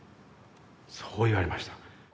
そう言われました。